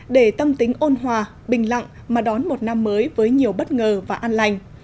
để tâm tính ôn hòa bình lặng mà đón một năm mới với nhiều bất ngờ và an lành